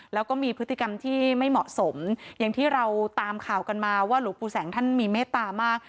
แล้วก็มีพฤติกรรมที่ไม่เหมาะสมอย่างที่เราตามข่าวกันมาว่าหลวงปู่แสงท่านมีเมตตามาก